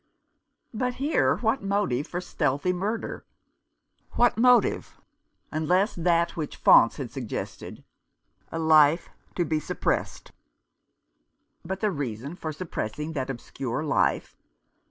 But here what motive for stealthy murder ? What motive, unless that which Faunce had suggested —" a life to be suppressed." But the reason for suppressing that obscure life